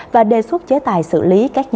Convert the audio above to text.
và đề xuất chế tài sự lãi